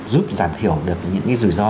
giúp giảm thiểu được những cái rủi ro